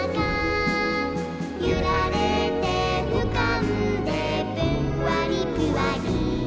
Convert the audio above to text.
「ゆられてうかんでぷんわりぷわり」